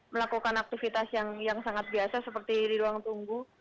melakukan aktivitas yang sangat biasa seperti di ruang tunggu